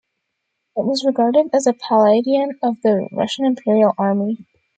It was regarded as a palladion of the Russian Imperial Army.